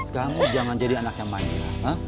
kamu zaman jadi anak yang manja